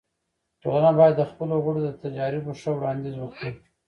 ټولنه باید د خپلو غړو د تجاريبو ښه وړاندیز وکړي.